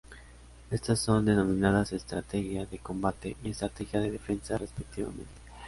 Estas son denominadas estrategia de combate y estrategia de defensa respectivamente.